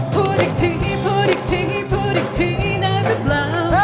พูดอีกทีพูดอีกทีพูดอีกทีได้หรือเปล่า